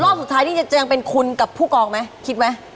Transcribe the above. รอบสุดท้ายที่จะยังเป็นคุณกับผู้กองไหมคิดไหม